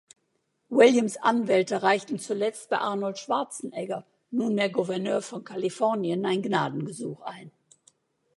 Williams’ Anwälte reichten zuletzt bei Arnold Schwarzenegger, nunmehr Gouverneur von Kalifornien, ein Gnadengesuch ein.